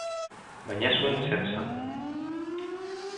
Baina ez zuen ezer esan.